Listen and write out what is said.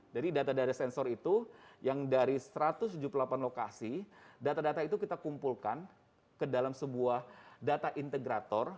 jadi data data sensor itu yang dari satu ratus tujuh puluh delapan lokasi data data itu kita kumpulkan ke dalam sebuah data integrator